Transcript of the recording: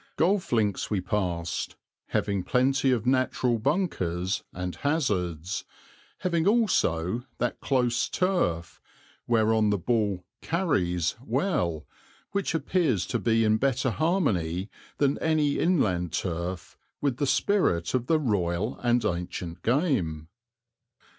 Golf links we passed, having plenty of natural bunkers and hazards, having also that close turf, whereon the ball "carries" well, which appears to be in better harmony than any inland turf with the spirit of the royal and ancient game.